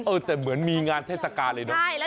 แต่เหมือนมีงานเทศกาลเลยเนอะ